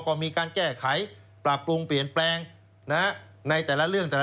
ก็มีการแก้ไขปรับปรุงเปลี่ยนแปลงในแต่ละเรื่องแต่ละ